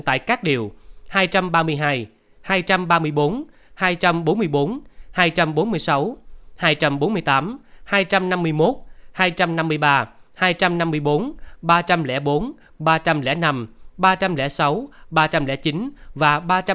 tại các điều hai trăm ba mươi hai hai trăm ba mươi bốn hai trăm bốn mươi bốn hai trăm bốn mươi sáu hai trăm bốn mươi tám hai trăm năm mươi một hai trăm năm mươi ba hai trăm năm mươi bốn ba trăm linh bốn ba trăm linh năm ba trăm linh sáu ba trăm linh chín và ba trăm tám mươi